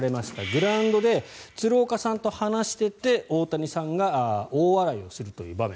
グラウンドで鶴岡さんと話をしていて大谷さんが大笑いをするという場面。